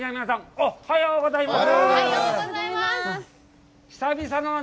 おはようございます。